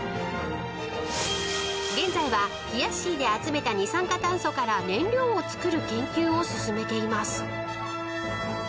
［現在はひやっしーで集めた二酸化炭素から燃料を作る研究を進めています］